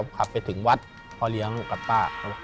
ขับไปถึงวัดพ่อเลี้ยงกับป้าเขา